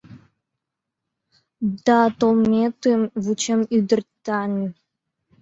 Да толметым вучем, ӱдыр таҥ.